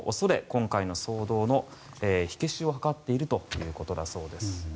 今回の騒動の火消しを図っているということだそうです。